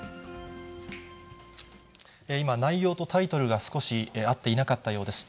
今、内容とタイトルが少し合っていなかったようです。